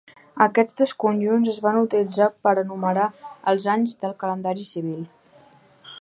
Aquests dos conjunts es van utilitzar per enumerar els anys del calendari civil.